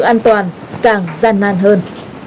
an toàn càng gian nan hơn